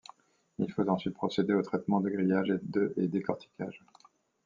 Il faut ensuite procéder au traitement de grillage et décorticage.